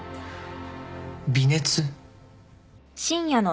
微熱？